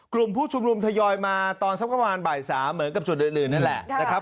กลุ่มผู้ชุมนุมทยอยมาตอนสักประมาณบ่าย๓เหมือนกับจุดอื่นนั่นแหละนะครับ